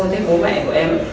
thế bố mẹ của em